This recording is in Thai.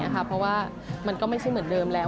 เพราะว่ามันก็ไม่ใช่เหมือนเดิมแล้ว